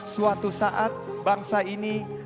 suatu saat bangsa ini